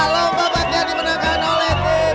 lomba bakiak dimenangkan oleh tin